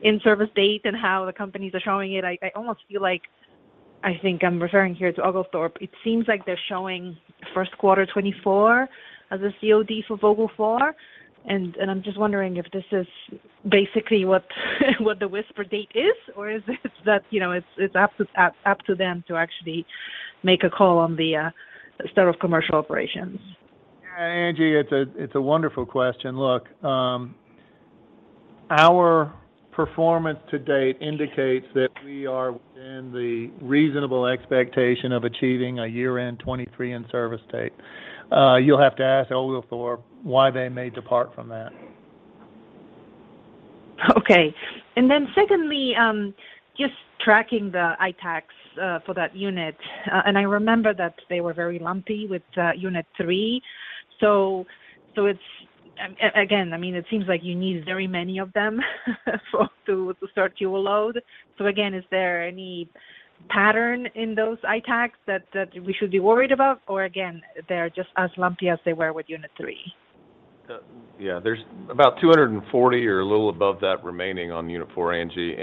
in-service date and how the companies are showing it? I almost feel like I think I'm referring here to Oglethorpe. It seems like they're showing Q1 2024 as a COD for Vogtle four, and I'm just wondering if this is basically what the whisper date is, or is it that, you know, it's up to them to actually make a call on the start of commercial operations. Angie, it's a wonderful question. Look, our performance to date indicates that we are within the reasonable expectation of achieving a year-end 2023 in-service date. You'll have to ask Oglethorpe why they may depart from that. Okay. Secondly, just tracking the ITACs for that unit, and I remember that they were very lumpy with unit three. So it's again, I mean, it seems like you need very many of them for to start your load. So again, is there any pattern in those ITACs that we should be worried about? Or again, they're just as lumpy as they were with unit three? Yeah. There's about 240 or a little above that remaining on unit four, Angie.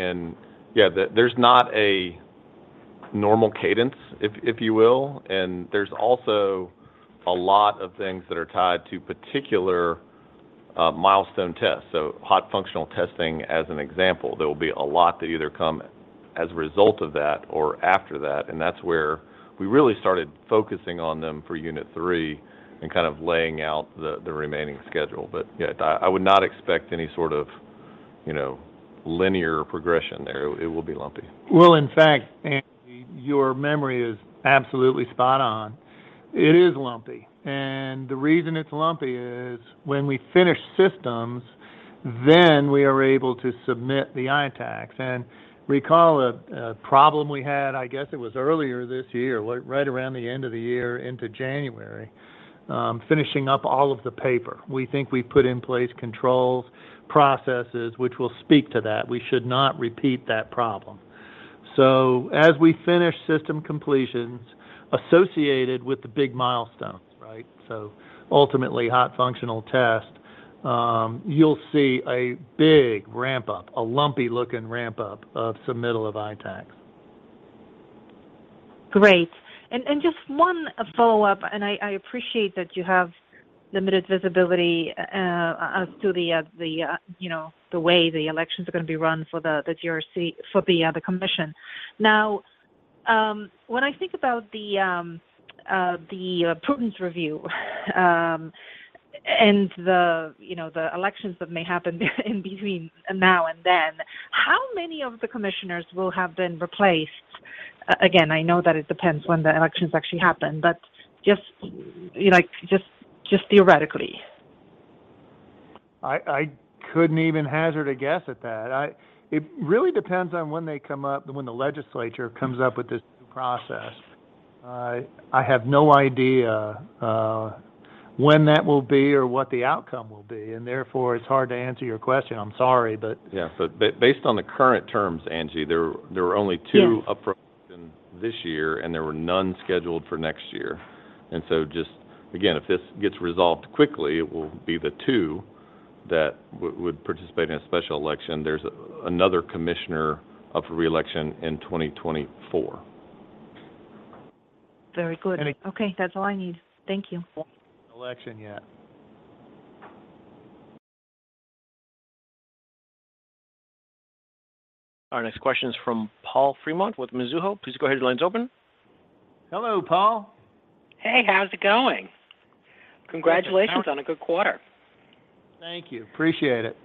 Yeah, there's not a normal cadence, if you will. There's also a lot of things that are tied to particular milestone tests. Hot functional testing, as an example, there will be a lot that either come as a result of that or after that, and that's where we really started focusing on them for unit three and kind of laying out the remaining schedule. Yeah, I would not expect any sort of you know, linear progression there. It will be lumpy. Well, in fact, Angie, your memory is absolutely spot on. It is lumpy. The reason it's lumpy is when we finish systems, then we are able to submit the ITACs. Recall a problem we had, I guess it was earlier this year, right around the end of the year into January, finishing up all of the paper. We think we put in place controls, processes which will speak to that. We should not repeat that problem. As we finish system completions associated with the big milestones, right? Ultimately hot functional test, you'll see a big ramp up, a lumpy looking ramp up of submittal of ITACs. Great. Just one follow-up, I appreciate that you have limited visibility as to you know, the way the elections are gonna be run for the GRC for the commission. Now, when I think about the prudence review and you know, the elections that may happen in between now and then, how many of the commissioners will have been replaced? Again, I know that it depends when the elections actually happen, but just like theoretically. I couldn't even hazard a guess at that. It really depends on when they come up, when the legislature comes up with this new process. I have no idea when that will be or what the outcome will be, and therefore, it's hard to answer your question. I'm sorry, but. Based on the current terms, Angie, there were only two- Yeah up for election this year, and there were none scheduled for next year. Just again, if this gets resolved quickly, it will be the two that would participate in a special election. There's another commissioner up for reelection in 2024. Very good. Any- Okay. That's all I need. Thank you. Election yet. Our next question is from Paul Fremont with Mizuho. Please go ahead. Your line's open. Hello, Paul. Hey, how's it going? Congratulations on a good quarter. Thank you. Appreciate it.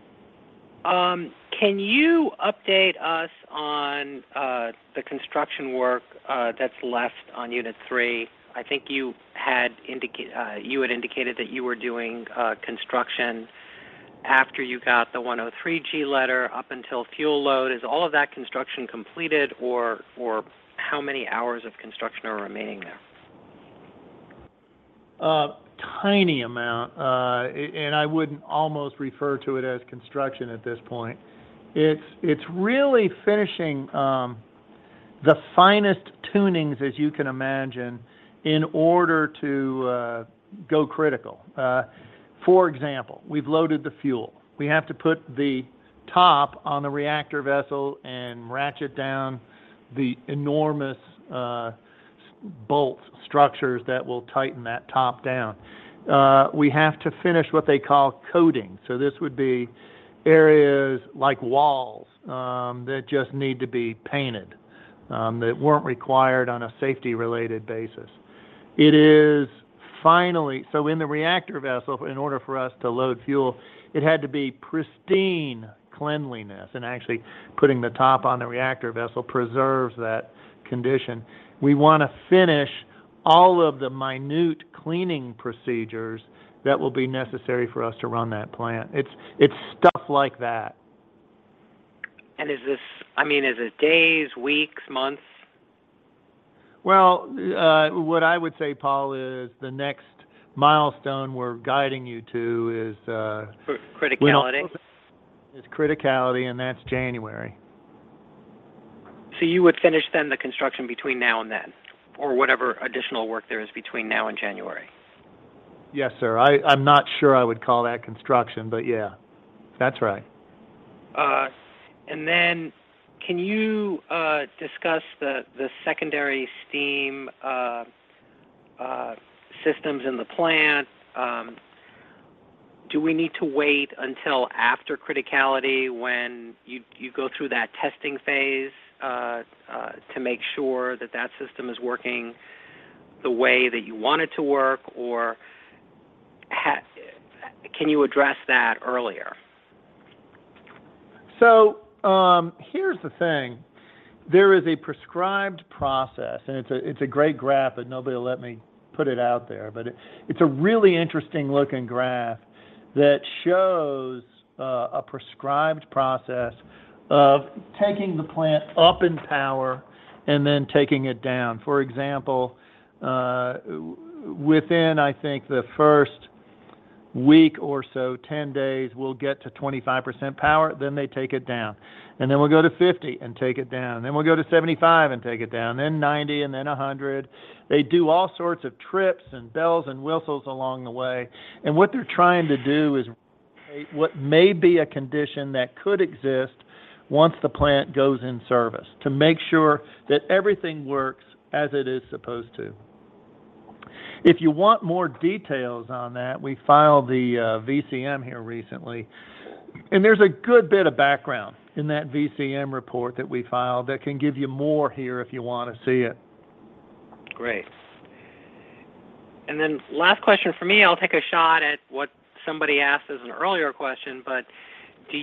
Can you update us on the construction work that's left on unit three? I think you had indicated that you were doing construction after you got the 103(g) letter up until fuel load. Is all of that construction completed or how many hours of construction are remaining there? A tiny amount, and I wouldn't almost refer to it as construction at this point. It's really finishing the finest tunings, as you can imagine, in order to go critical. For example, we've loaded the fuel. We have to put the top on the reactor vessel and ratchet down the enormous bolt structures that will tighten that top down. We have to finish what they call coating. This would be areas like walls that just need to be painted that weren't required on a safety-related basis. In the reactor vessel, in order for us to load fuel, it had to be pristine cleanliness, and actually putting the top on the reactor vessel preserves that condition. We wanna finish all of the minute cleaning procedures that will be necessary for us to run that plant. It's stuff like that. Is this... I mean, is it days, weeks, months? Well, what I would say, Paul, is the next milestone we're guiding you to is, For criticality? Is criticality, and that's January. You would finish then the construction between now and then, or whatever additional work there is between now and January? Yes, sir. I'm not sure I would call that construction, but yeah. That's right. Can you discuss the secondary steam systems in the plant? Do we need to wait until after criticality when you go through that testing phase to make sure that system is working the way that you want it to work, or can you address that earlier? Here's the thing. There is a prescribed process, and it's a great graph, but nobody will let me put it out there. But it's a really interesting looking graph that shows a prescribed process of taking the plant up in power and then taking it down. For example, within, I think, the first week or so, 10 days, we'll get to 25% power, then they take it down. We'll go to 50 and take it down, then we'll go to 75 and take it down, then 90, and then 100. They do all sorts of trips and bells and whistles along the way, and what they're trying to do is what may be a condition that could exist once the plant goes in service to make sure that everything works as it is supposed to. If you want more details on that, we filed the VCM here recently, and there's a good bit of background in that VCM report that we filed that can give you more here if you wanna see it. Great. Last question for me. I'll take a shot at what somebody asked as an earlier question, but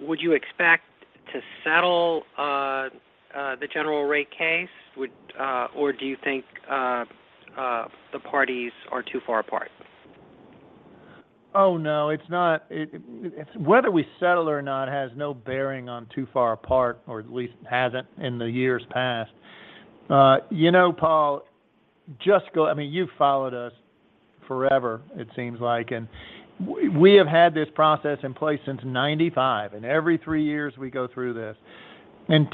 would you expect to settle the Georgia Rate Case? Or do you think the parties are too far apart? It's not. It, whether we settle or not has no bearing on too far apart or at least hasn't in the years past. You know, Paul, I mean, you've followed us forever it seems like, and we have had this process in place since 1995, and every three years we go through this.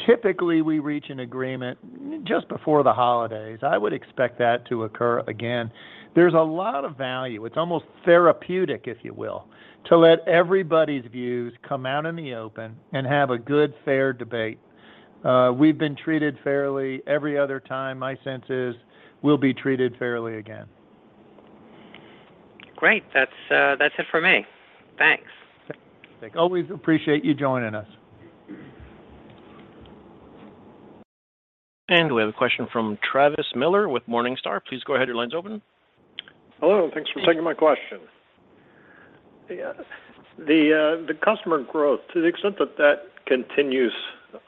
Typically, we reach an agreement just before the holidays. I would expect that to occur again. There's a lot of value, it's almost therapeutic, if you will, to let everybody's views come out in the open and have a good, fair debate. We've been treated fairly every other time. My sense is we'll be treated fairly again. Great. That's it for me. Thanks. Thanks. Always appreciate you joining us. We have a question from Travis Miller with Morningstar. Please go ahead. Your line's open. Hello, and thanks for taking my question. The customer growth, to the extent that continues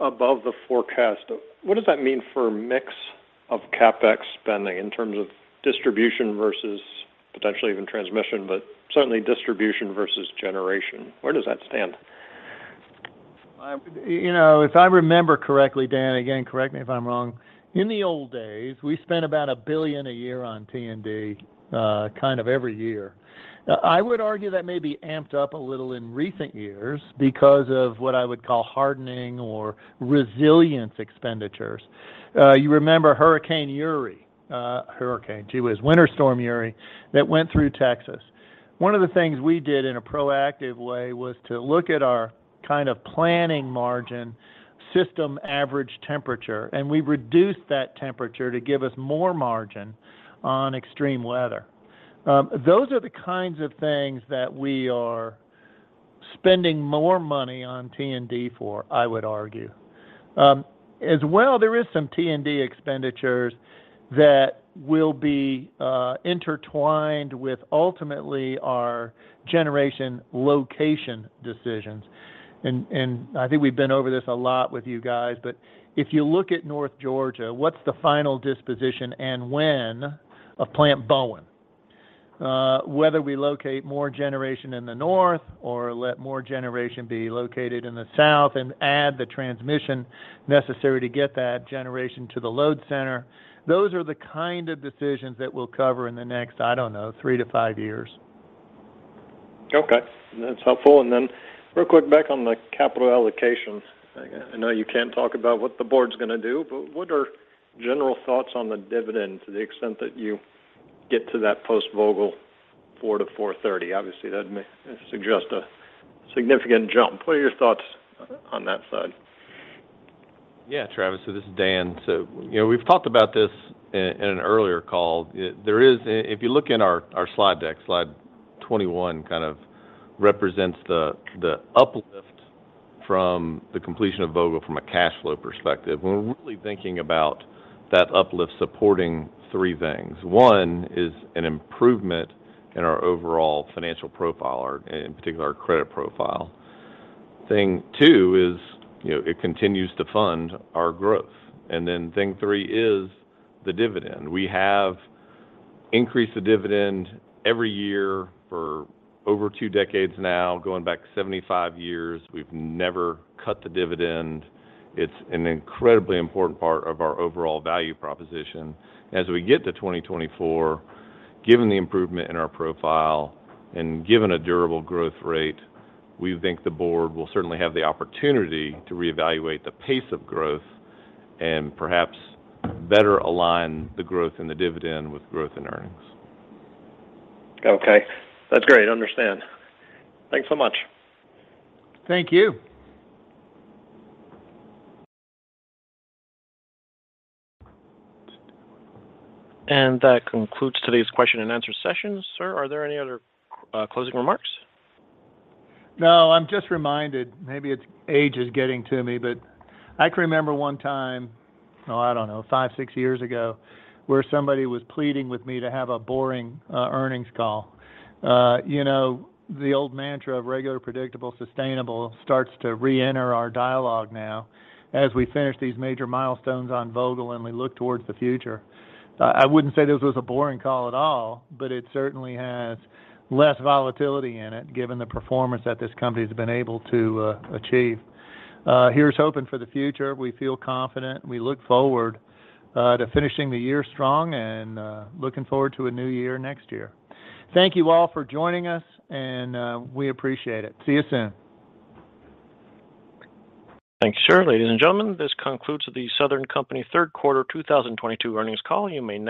above the forecast, what does that mean for mix of CapEx spending in terms of distribution versus potentially even transmission, but certainly distribution versus generation? Where does that stand? You know, if I remember correctly, Dan, again, correct me if I'm wrong, in the old days, we spent about $1 billion a year on T&D, kind of every year. I would argue that maybe amped up a little in recent years because of what I would call hardening or resilience expenditures. You remember Winter Storm Uri that went through Texas. One of the things we did in a proactive way was to look at our kind of planning margin system average temperature, and we reduced that temperature to give us more margin on extreme weather. Those are the kinds of things that we are spending more money on T&D for, I would argue. As well, there is some T&D expenditures that will be intertwined with ultimately our generation location decisions. I think we've been over this a lot with you guys, but if you look at north Georgia, what's the final disposition and when of Plant Bowen? Whether we locate more generation in the north or let more generation be located in the south and add the transmission necessary to get that generation to the load center, those are the kind of decisions that we'll cover in the next, I don't know, three-five years. Okay. That's helpful. Real quick back on the capital allocation. I know you can't talk about what the board's gonna do, but what are general thoughts on the dividend to the extent that you get to that post-Vogtle 4-4.30? Obviously, that may suggest a significant jump. What are your thoughts on that side? Yeah, Travis, this is Dan. You know, we've talked about this in an earlier call. There is. If you look in our slide deck, slide 21 kind of represents the uplift from the completion of Vogtle from a cash flow perspective. We're really thinking about that uplift supporting three things. One is an improvement in our overall financial profile or in particular credit profile. Thing two is, you know, it continues to fund our growth. Thing three is the dividend. We have increased the dividend every year for over two decades now. Going back 75 years, we've never cut the dividend. It's an incredibly important part of our overall value proposition. As we get to 2024, given the improvement in our profile and given a durable growth rate, we think the board will certainly have the opportunity to reevaluate the pace of growth and perhaps better align the growth in the dividend with growth in earnings. Okay, that's great. Understand. Thanks so much. Thank you. That concludes today's question and answer session. Sir, are there any other closing remarks? No, I'm just reminded, maybe it's age is getting to me, but I can remember one time, oh, I don't know, five, six years ago, where somebody was pleading with me to have a boring earnings call. You know, the old mantra of regular, predictable, sustainable starts to reenter our dialogue now as we finish these major milestones on Vogtle and we look towards the future. I wouldn't say this was a boring call at all, but it certainly has less volatility in it given the performance that this company's been able to achieve. Here's hoping for the future. We feel confident. We look forward to finishing the year strong and looking forward to a new year next year. Thank you all for joining us, and we appreciate it. See you soon. Thank you, sir. Ladies and gentlemen, this concludes the The Southern Company Q3 2022 earnings call. You may now